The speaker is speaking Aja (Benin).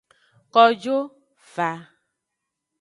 Kojo va.